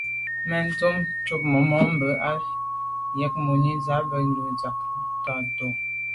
Mɛ́n tɛ̌n cúp màmá mbə̄ á jə́n mùní zə̄ bàk lù gə́ ndzjɛ̂k ŋkɔ̀k tǒ tàh tó.